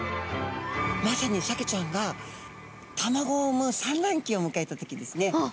まさにサケちゃんが卵を産むさんらんきをむかえた時ですね。